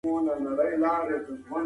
زکات د ثروت وېش دی.